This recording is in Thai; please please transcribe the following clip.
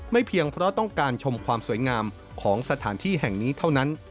เพียงเพราะต้องการชมความสวยงามของสถานที่แห่งนี้เท่านั้น